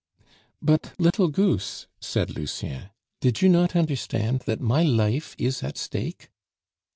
"But, little goose," said Lucien, "did you not understand that my life is at stake?"